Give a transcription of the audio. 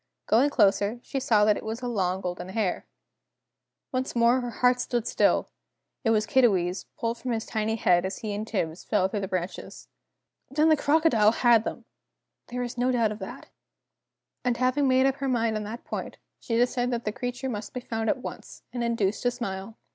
Going closer, she saw that it was a long golden hair. Once more her heart stood still! It was Kiddiwee's, pulled from his tiny head as he and Tibbs fell through the branches. Then the crocodile had them! There was no doubt of that. And having made up her mind on that point, she decided that the creature must be found at once, and induced to smile!